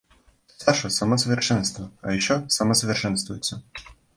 Саша само совершенство, а ещё самосовершенствуется.